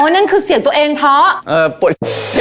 อ๋อนั่นคือเสียงตัวเองเพราะเออปวด